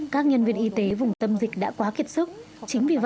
các nhân viên y tế vùng tâm dịch đã quá kiệt sức